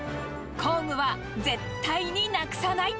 工具は絶対になくさない！